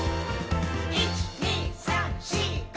「１．２．３．４．５．」